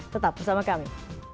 tetap bersama kami